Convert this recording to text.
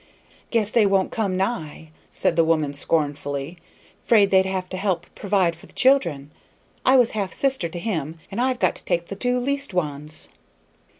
"Guess they won't come nigh," said the woman, scornfully; "'fraid they'd have to help provide for the children. I was half sister to him, and I've got to take the two least ones."